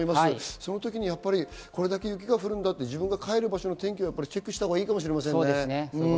その時にこれだけ雪が降るんだ、自分が帰る場所の天気はチェックしたほうがいいかもしれませんね。